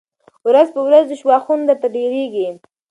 ورځ په ورځ دي شواخون درته ډېرېږی